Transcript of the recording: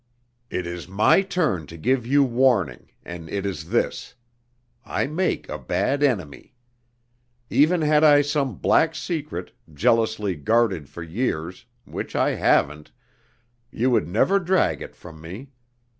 "It is my turn to give you warning, and it is this: I make a bad enemy. Even had I some black secret, jealously guarded for years which I haven't you would never drag it from me.